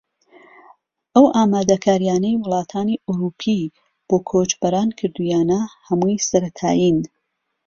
ئەو ئامادەکارییانەی وڵاتانی ئەوروپی بۆ کۆچبەران کردوویانە هەمووی سەرەتایین